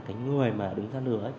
cái người mà đứng ra lừa